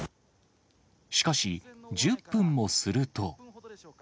しかし、１０分もすると。